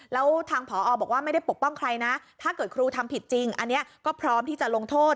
แล้วทางผอบอกว่าไม่ได้ปกป้องใครนะถ้าเกิดครูทำผิดจริงอันนี้ก็พร้อมที่จะลงโทษ